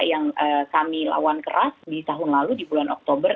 yang kami lawan keras di tahun lalu di bulan oktober